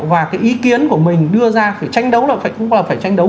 và cái ý kiến của mình đưa ra phải tranh đấu là cũng là phải tranh đấu